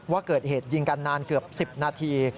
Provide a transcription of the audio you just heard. ว่าเกิดเหตุยิงกันนานเกือบ๑๐นาที